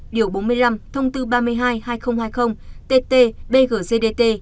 điều bốn mươi năm thông tư ba mươi hai hai nghìn hai mươi tt bg gdt